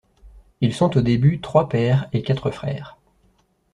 Ils sont au début trois Pères et quatre Frères.